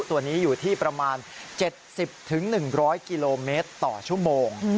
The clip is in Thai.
ตัวนี้อยู่ที่ประมาณ๗๐๑๐๐กิโลเมตรต่อชั่วโมง